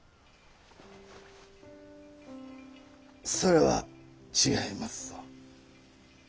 それは違いますぞ。